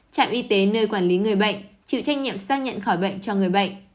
trạm y tế nơi quản lý người bệnh chịu trách nhiệm xác nhận khỏi bệnh cho người bệnh